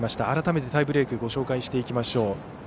改めてタイブレークご紹介していきましょう。